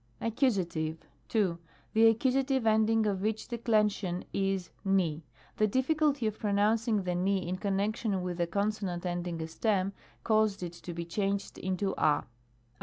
accusative. 2. The Accus. ending of each Declension is v\ the difficulty of pronouncing, the v in connection with the consonant ending a stem, caused it to be changed into (X.